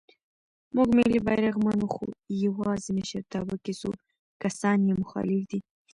مونږ ملی بیرغ منو خو یواځې مشرتابه کې څو کسان یې مخالف دی.